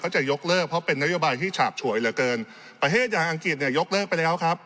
จะยกเลิกเพราะเป็นนโยบายที่ฉาบฉวยเหลือเกินประเทศอย่างอังกฤษเนี่ยยกเลิกไปแล้วครับ